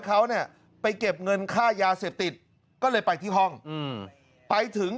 เขาเนี่ยไปเก็บเงินค่ายาเสพติดก็เลยไปที่ห้องไปถึง